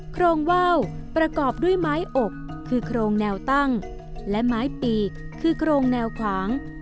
โครงว่าวประกอบด้วยไม้อกคือโครงแนวตั้งและไม้ปีกคือโครงแนวขวาง